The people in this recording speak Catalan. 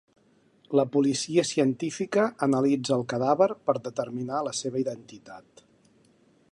La policia científica analitza el cadàver per determinar la seva identitat.